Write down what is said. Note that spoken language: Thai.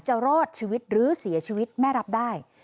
รอดชีวิตหรือเสียชีวิตแม่รับได้